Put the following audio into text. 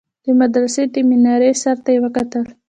د مدرسې د مينارې سر ته يې وكتل.